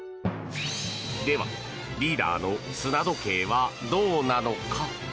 では、リーダーの砂時計はどうなのか？